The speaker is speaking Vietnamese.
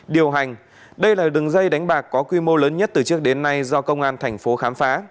điều hành đây là đường dây đánh bạc có quy mô lớn nhất từ trước đến nay do công an thành phố khám phá